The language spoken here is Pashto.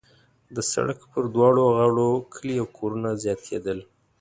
د سړک پر دواړو غاړو کلي او کورونه زیاتېدل.